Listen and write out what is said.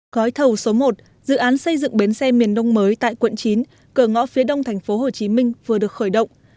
gói thầu số một dự án xây dựng bến xe miền đông mới tại quận chín cửa ngõ phía đông tp hcm vừa được khởi động